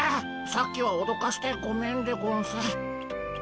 さっきはおどかしてごめんでゴンス。